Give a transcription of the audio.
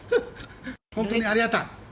本当にありがたい！